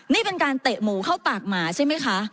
นี่เป็นการเตะหมูเข้าปากหมาใช่ไหมคะ